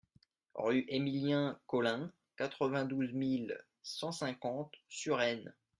Rue Emilien Colin, quatre-vingt-douze mille cent cinquante Suresnes